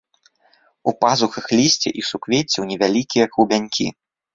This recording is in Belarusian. У пазухах лісця і суквеццяў невялікія клубянькі.